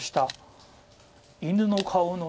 犬の顔の。